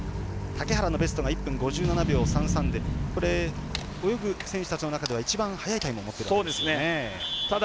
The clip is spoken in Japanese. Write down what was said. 竹原のベストは１分５６秒３３で泳ぐ選手たちの中では一番速いタイムを持っているんですね。